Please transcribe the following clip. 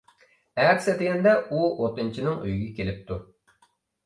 ئەتىسى ئەتىگەندە، ئۇ ئوتۇنچىنىڭ ئۆيىگە كېلىپتۇ.